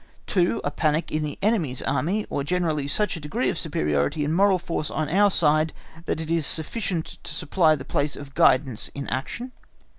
2. A panic in the enemy's army, or generally such a degree of superiority in moral force on our side, that this is sufficient to supply the place of guidance in action.